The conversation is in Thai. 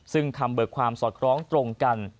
ซึ่งคำเบิกความสอดคล้องตรงกัน